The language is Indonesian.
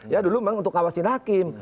ya dulu memang untuk ngawasin hakim